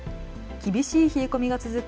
厳しい冷え込みが続く